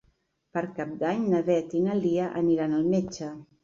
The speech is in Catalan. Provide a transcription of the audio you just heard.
Per Cap d'Any na Beth i na Lia aniran al metge.